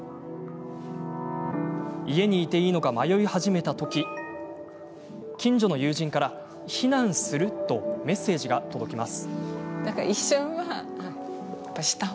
家にいていいのか迷い始めたとき近所の友人から「避難する？」とメッセージが届きます。